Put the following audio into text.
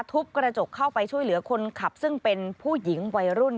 ทุบกระจกเข้าไปช่วยเหลือคนขับซึ่งเป็นผู้หญิงวัยรุ่น